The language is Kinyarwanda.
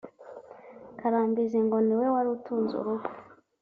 Karambizi ngo ni we wari utunze urugo